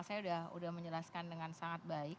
saya sudah menjelaskan dengan sangat baik